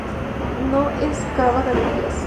No excava galerías.